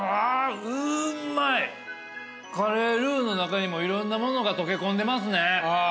カレールーの中にもいろんなものが溶け込んでますね。